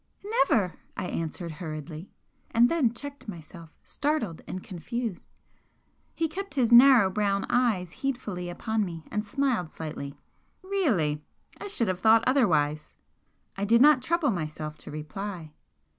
"Never!" I answered, hurriedly, and then checked myself, startled and confused. He kept his narrow brown eyes heedfully upon me and smiled slightly. "Really! I should have thought otherwise!" I did not trouble myself to reply.